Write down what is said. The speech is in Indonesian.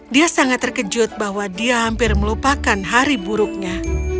dia sangat terkejut bahwa dia hampir melupakan hari buruknya